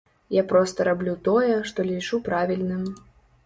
Я проста раблю тое, што лічу правільным.